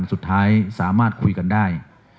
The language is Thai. สุดท้ายสามารถคุยกันได้